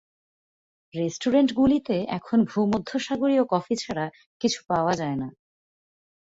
রেস্টুরেন্টগুলিতে এখন ভূমধ্যসাগরীয় কফি ছাড়া কিছু পাওয়া যায় না।